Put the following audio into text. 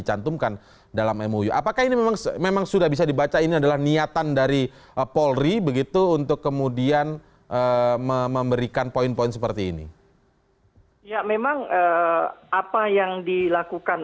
untuk anda di cnn indonesia